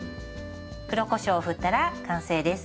黒こしょうを振ったら完成です。